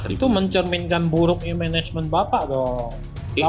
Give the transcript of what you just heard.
itu mencerminkan buruk e management bapak dong